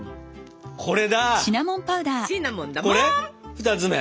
２つ目。